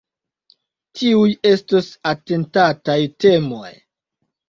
Tiuj estos atentataj temoj.